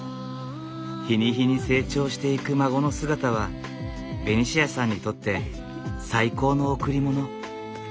日に日に成長していく孫の姿はベニシアさんにとって最高の贈り物。